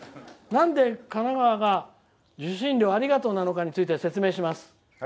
なんで神奈川が受信料ありがとうなのかについて説明します。